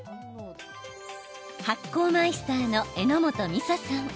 発酵マイスターの榎本美沙さん。